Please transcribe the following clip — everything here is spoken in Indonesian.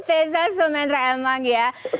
teza sumendra emang ya